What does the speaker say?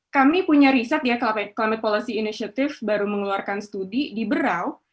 kami punya riset ya climate policy initiative baru mengeluarkan studi di berau